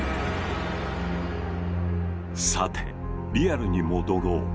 さてリアルに戻ろう。